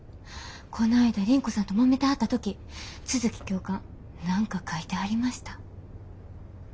こないだ倫子さんともめてはった時都築教官何か書いてはりました。